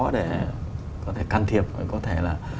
để có thể can thiệp có thể